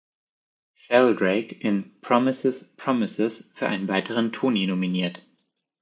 Sheldrake“ in "Promises, Promises" für einen weiteren Tony nominiert.